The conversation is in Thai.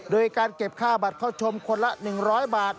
โดยการเก็บค่าบัตรเข้าชมคนละ๑๐๐บาท